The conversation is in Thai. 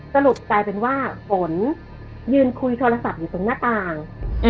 สรุปกลายเป็นว่าฝนยืนคุยโทรศัพท์อยู่ตรงหน้าต่าง